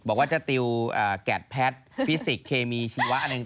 บอกว่าจะติวแก๊ดแพทย์ฟิสิกส์เคมีชีวะอันต่าง